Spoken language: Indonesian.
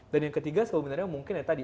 dan yang ketiga sebenarnya mungkin tadi